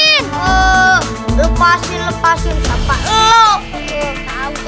ee lepasin lepasin siapa